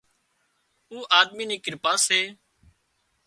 اُو آۮمي ني ڪرپا سي